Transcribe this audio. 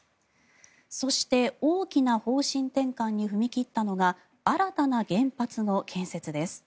そして、大きな方針転換に踏み切ったのが新たな原発の建設です。